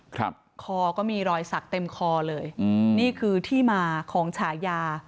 คอก็มีรอยสักเต็มคอเลยอืมนี่คือที่มาของฉายา